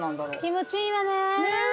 気持ちいいわね。